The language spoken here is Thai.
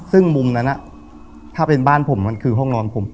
ซึ่งมุมนั้นถ้าเป็นบ้านผมมันคือห้องนอนผม